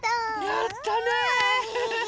やったね！